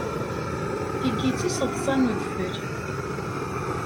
Tigi d tisedṣa n udfel.